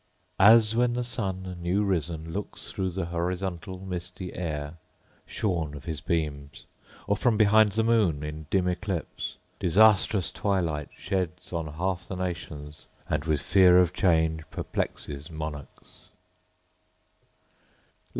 … As when the sun, new risen, Looks through the horizontal, misty air, Shorn of his beams; or from behind the moon, In dim eclipse, disastrous twilight sheds On half the nations, and with fear of change Perplexes monarchs….